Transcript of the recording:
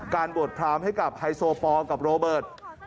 บวชพรามให้กับไฮโซปอลกับโรเบิร์ต